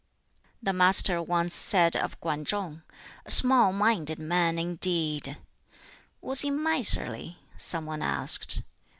The Master once said of Kwan Chung, "A small minded man indeed!" "Was he miserly?" some one asked.